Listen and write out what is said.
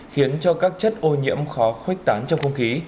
khiến cho các chất ô nhiễm khó khuếch tán trong không khí